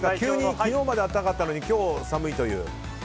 昨日まで暖かかったのに今日は寒いという。